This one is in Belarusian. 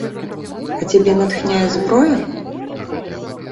А цябе натхняе зброя.